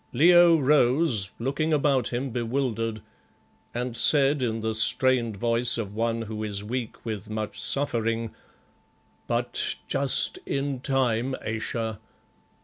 Leo rose, looking about him bewildered, and said in the strained voice of one who is weak with much suffering "But just in time, Ayesha.